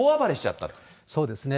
そうですね。